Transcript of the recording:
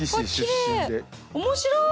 面白い！